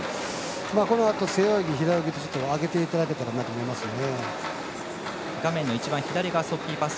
このあと背泳ぎ、平泳ぎと上げていけたらと思いますね。